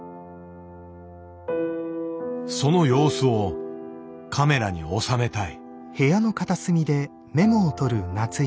その様子をカメラに収めたい。